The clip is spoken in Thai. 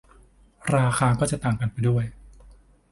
ราคาก็จะต่างกันไปด้วย